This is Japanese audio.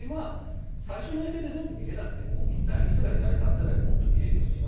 最初の衛星で全部見れなくても第２世代、第３世代で見れるようにすると。